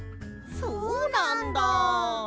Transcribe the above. そうなんだ。